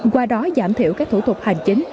qua đó giảm thiểu các thủ thuật hành chính